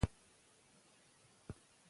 کله چې زه ښوونځي ته لاړم هغوی ناست وو.